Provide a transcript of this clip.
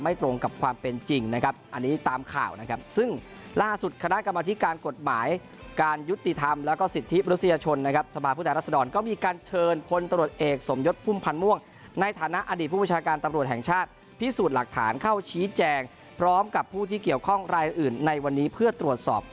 ไม่ตรงกับความเป็นจริงนะครับอันนี้ตามข่าวนะครับซึ่งล่าสุดคณะกรรมธิการกฎหมายการยุติธรรมแล้วก็สิทธิประโลศิยชนนะครับสมภาพุทธรรษดรก็มีการเชิญคนตรวจเอกสมยดภูมิพันธ์ม่วงในฐานะอดีตผู้ประชาการตำรวจแห่งชาติพิสูจน์หลักฐานเข้าชี้แจงพร้อมกับผู้ที่เกี่ยวข้องร